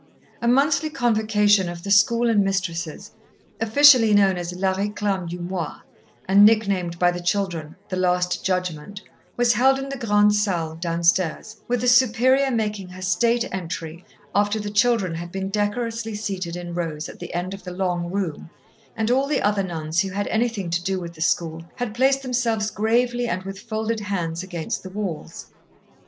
A monthly convocation of the school and mistresses, officially known as la réclame du mois, and nicknamed by the children "the Last Judgment," was held in the Grande Salle downstairs, with the Superior making her state entry after the children had been decorously seated in rows at the end of the long room, and all the other nuns who had anything to do with the school had placed themselves gravely and with folded hands against the walls.